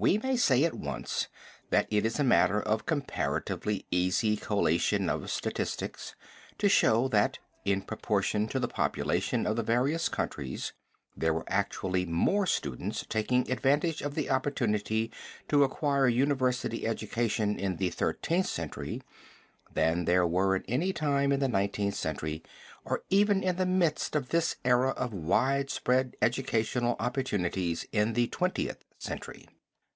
We may say at once that it is a matter of comparatively easy collation of statistics to show, that in proportion to the population of the various countries, there were actually more students taking advantage of the opportunity to acquire university education in the Thirteenth Century, than there were at any time in the Nineteenth Century, or even in the midst of this era of widespread educational opportunities in the Twentieth Century.